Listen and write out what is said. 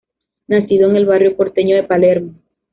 Nacido en el barrio porteño de Palermo.